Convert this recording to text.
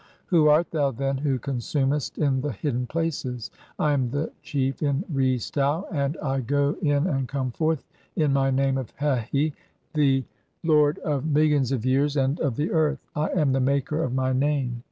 Who art thou, then, who consumest "in the hidden places? I am the Chief in Re stau, and [I] go "in and come forth (i3) in my name of 'Hehi, the lord of mil "lions of years [and of] the earth' ; [I am] the maker of my "name.